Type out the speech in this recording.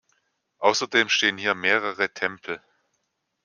Außerdem stehen hier mehrere Tempel.